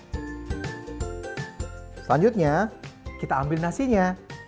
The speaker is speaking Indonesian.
selanjutnya kita ambil nasinya